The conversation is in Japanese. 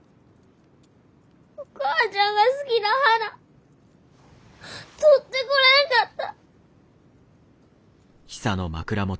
お母ちゃんが好きな花採ってこれんかった！